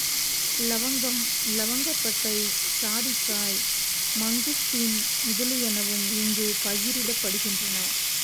இலவங்கம், இலவங்கப்பட்டை, சாதிக்காய், mangosteen முதலியனவும் இங்குப் பயிரிடப்படுகின்றன.